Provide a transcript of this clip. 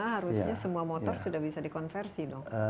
harusnya semua motor sudah bisa dikonversi dong